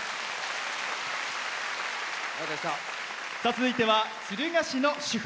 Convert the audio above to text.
続いては、敦賀市の主婦。